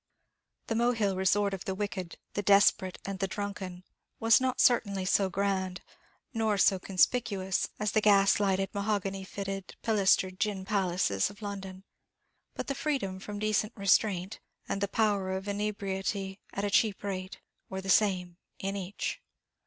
The Mohill resort of the wicked, the desperate, and the drunken, was not certainly so grand, nor so conspicuous, as the gas lighted, mahogany fitted, pilastered gin palaces of London; but the freedom from decent restraint, and the power of inebriety at a cheap rate, were the same in each.